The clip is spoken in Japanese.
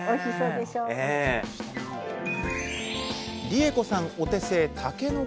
理恵子さんお手製